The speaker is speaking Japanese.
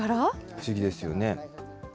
不思議ですよね。